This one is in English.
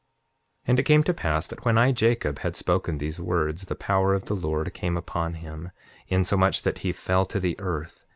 7:15 And it came to pass that when I, Jacob, had spoken these words, the power of the Lord came upon him, insomuch that he fell to the earth.